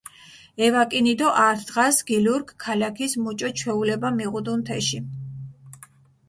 ევაკინი დო ართ დღას გილურქ ქალაქის მუჭო ჩვეულება მიღუდუნ თეში.